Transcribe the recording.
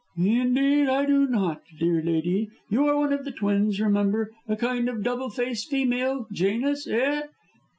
"Indeed, I do not, dear lady. You are one of twins, remember a kind of double face female, Janus, eh?"